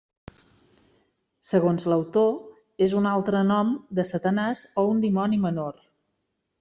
Segons l'autor, és un altre nom de Satanàs, o un dimoni menor.